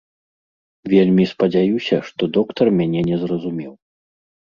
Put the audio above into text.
Вельмі спадзяюся, што доктар мяне не зразумеў.